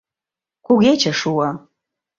Кугече шуо.